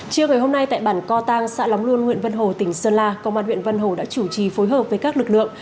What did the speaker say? chiều ngày hôm nay tại bản co tăng xã lóng luôn huyện vân hồ tỉnh sơn la công an huyện vân hồ đã chủ trì phối hợp với các lực lượng